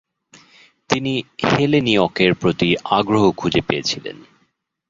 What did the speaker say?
তিনি হেলেনিয়কের প্রতি আগ্রহ খুঁজে পেয়েছিলেন।